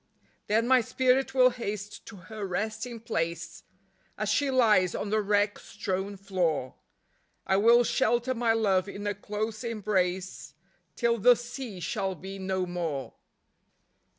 Then my spirit will haste to her resting place, As she lies on the wreck strewn floor ; I will shelter my love in a close embrace Till the sea shall be no more.